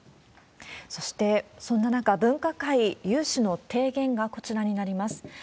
そして、そんな中、分科会有志の提言がこちらになります。